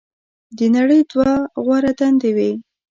"د نړۍ دوه غوره دندې وې.